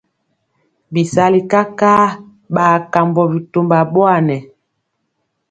Bisali kakaa ɓa kambɔ bitomba ɓowanɛ.